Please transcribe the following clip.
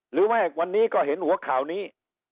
หรือแม่ว่าวันนี้ก็เห็นหัวข่าวนี้